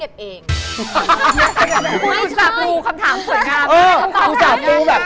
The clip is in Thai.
สาปูคำถามสวยงาม